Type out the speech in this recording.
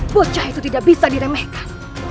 bocah itu tidak bisa diremehkan